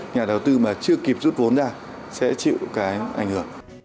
nhà đầu tư mà chưa kịp rút vốn ra sẽ chịu cái ảnh hưởng